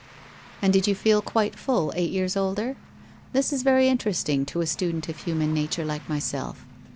' And did you feel quite full eight years older ? This is very interesting to a student of human naturo like myself.